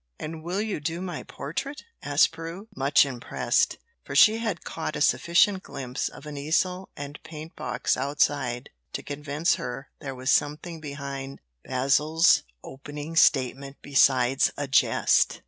And will you do my portrait?" asked Prue, much impressed, for she had caught a sufficient glimpse of an easel and paint box outside to convince her there was something behind Basil's opening statement besides a jest.